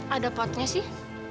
ada potnya sih